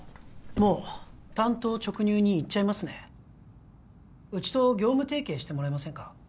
もう単刀直入に言っちゃいますねうちと業務提携してもらえませんか？